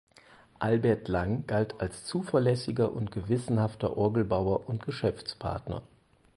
Albert Lang galt als zuverlässiger und gewissenhafter Orgelbauer und Geschäftspartner.